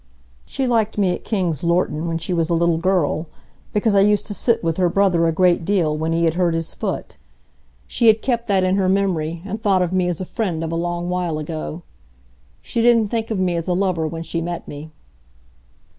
"She liked me at King's Lorton, when she was a little girl, because I used to sit with her brother a great deal when he had hurt his foot. She had kept that in her memory, and thought of me as a friend of a long while ago. She didn't think of me as a lover when she met me."